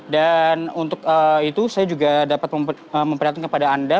dan untuk itu saya juga dapat memprihatinkan kepada anda